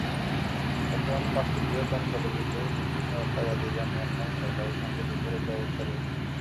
বর্তমানে পাঁচটি বৃহৎ অঞ্চলে বিদ্রোহী বিচ্ছিন্নতাবাদীরা মিয়ানমার সরকারের সঙ্গে যুদ্ধরত অবস্থায় রয়েছে।